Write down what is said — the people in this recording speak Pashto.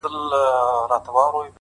• یو ګیدړ وو ډېر چالاکه په ځغستا وو -